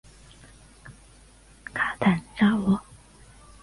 卡坦扎罗。